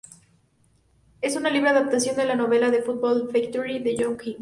Es una libre adaptación de la novela The Football Factory de John King.